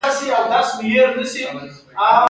د ژمي په شپو کې متلونه ویل کیږي.